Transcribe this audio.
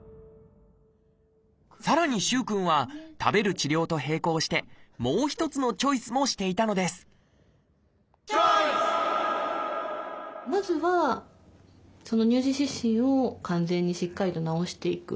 さらに萩くんは食べる治療と並行してもう一つのチョイスもしていたのですまずは乳児湿疹を完全にしっかりと治していく。